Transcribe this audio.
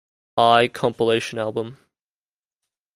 I compilation album.